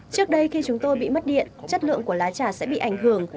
trước đây khi chúng tôi bị mất điện chất lượng của lá trà sẽ bị ảnh hưởng